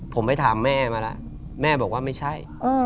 ผมไปถามแม่มาแล้วแม่บอกว่าไม่ใช่